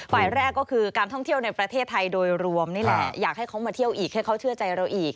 ฝ่ายแรกก็คือการท่องเที่ยวในประเทศไทยโดยรวมนี่แหละอยากให้เขามาเที่ยวอีกให้เขาเชื่อใจเราอีก